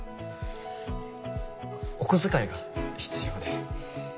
お小遣いが必要で。